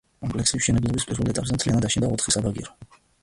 კომპლექსის მშენებლობის პირველ ეტაპზე მთლიანად აშენდა ოთხი საბაგირო.